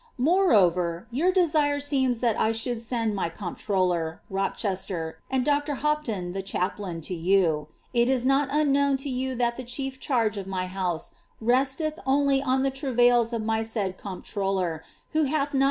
[oreover, your desire seems that I should send my comptroller (Rochester) )r. Hopton (chaplain) to you. It is not unknown to you that the chief e of my house resteth only on the travaiU of my said comptroller, who hath ?